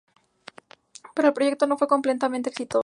Pero el proyecto no fue completamente exitoso.